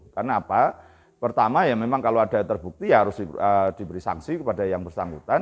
karena apa pertama ya memang kalau ada yang terbukti ya harus diberi sanksi kepada yang bersangkutan